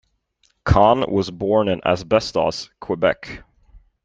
Conn was born in Asbestos, Quebec.